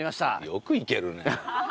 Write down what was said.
よく行けるね。